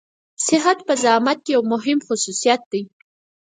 صحت په زعامت کې يو مهم خصوصيت دی.